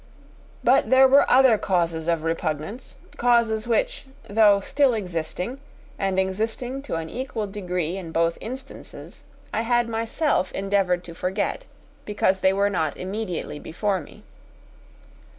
But there were other causes of repugnance; causes which, though still existing, and existing to an equal degree in both instances, I had myself endeavoured to forget, because they were not immediately before me.